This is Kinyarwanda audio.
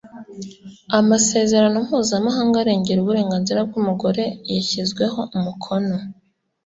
amasezerano mpuzamahanga arengera uburenganzira bw’umugore yashyizweho umukono